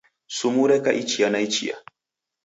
Sumu reka ichia na ichia.